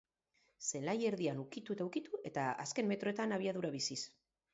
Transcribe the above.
Zelai erdian ukitu eta ukitu eta azken metroetan abiadura biziz.